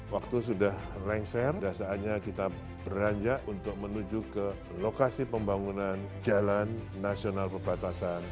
waktu sudah rangsir dasarnya kita beranjak untuk menuju ke lokasi pembangunan jalan nasional perbatasan